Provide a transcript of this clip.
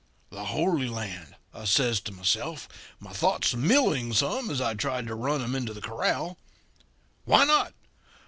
"'The Holy Land,' I says to myself, my thoughts milling some as I tried to run 'em into the corral. 'Why not?